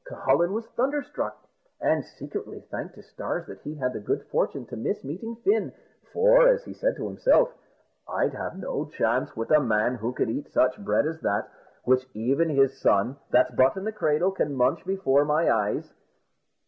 Cucullin was thunderstruck, and secretly thanked his stars that he had the good fortune to miss meeting Fin, for, as he said to himself, "I'd have no chance with a man who could eat such bread as that, which even his son that's but in his cradle can munch before my eyes."